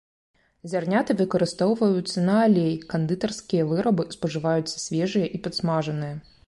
Зярняты выкарыстоўваюцца на алей, кандытарскія вырабы, спажываюцца свежыя і падсмажаныя.